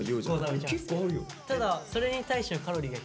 ただそれに対してのカロリーが。